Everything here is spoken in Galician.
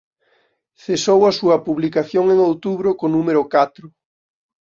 Cesou a súa publicación en outubro co número catro.